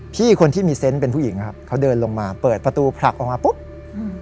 พี่คนที่มีเซนต์เป็นผู้หญิงครับเขาเดินลงมาเปิดประตูผลักออกมาปุ๊บอืม